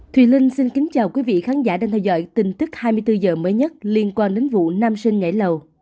thùy linh xin kính chào quý vị khán giả đang theo dõi tin tức hai mươi bốn h mới nhất liên quan đến vụ nam sinh nhảy lầu